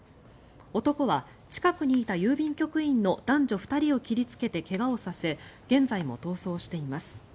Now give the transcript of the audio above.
男は近くにいた郵便局員の男女２人を切りつけて怪我をさせ現在も逃走しています。